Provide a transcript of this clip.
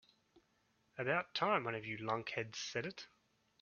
About time one of you lunkheads said it.